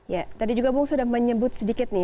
ya tadi juga bung sudah menyebut sedikit nih